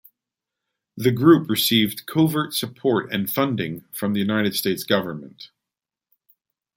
The group received covert support and funding from the United States government.